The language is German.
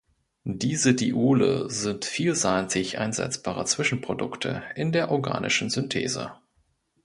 Diese Diole sind vielseitig einsetzbare Zwischenprodukte in der organischen Synthese.